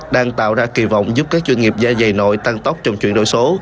đang tạo ra kỳ vọng giúp các chuyên nghiệp gia dày nội tăng tốc trong chuyển đổi số